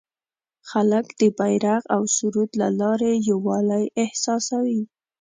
خلک د بیرغ او سرود له لارې یووالی احساسوي.